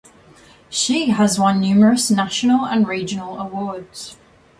She has won numerous national and regional awards.